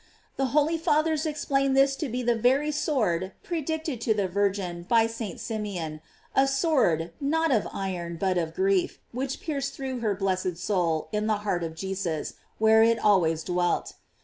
* The holy Fathers explain this to be the very sword predicted to the Virgin by St. Simeon ; a sword, not of iron, but of grief, which pierced through her blessed soul in the heart of Jesus, where it always dwelt.